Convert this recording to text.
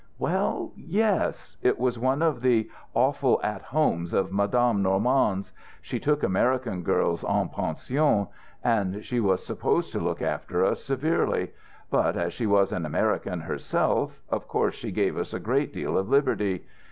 "Well, yes.... It was one of the awful at homes of Madame Normand's. She took American girls en pension, and she was supposed to look after us severely; but as she was an American herself, of course she gave us a great deal of liberty.